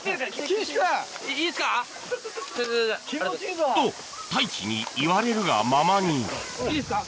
うわ！と太一に言われるがままにいいっすか。